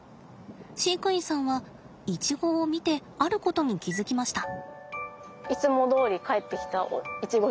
飼育員さんはイチゴを見てあることに気付きました。